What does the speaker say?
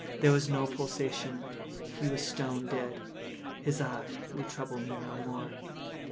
There was no pulsation. He was stone dead. His eye would trouble me no more.